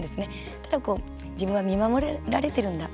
ただこう自分は見守られてるんだ。